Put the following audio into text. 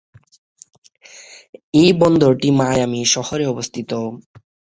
এই বন্দরটি মায়ামি শহরে অবস্থিত।